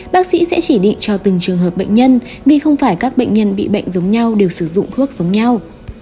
bác sĩ sẽ chỉ định cho từng trường hợp bệnh nhân vì không phải các bệnh nhân bị bệnh giống nhau đều sử dụng thuốc giống nhau